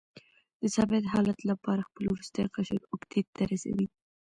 د ثابت حالت لپاره خپل وروستی قشر اوکتیت ته رسوي.